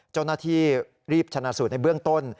เจ้าหน้าที่รีบชนะสูตรในเบื้องต้น